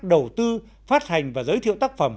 đầu tư phát hành và giới thiệu tác phẩm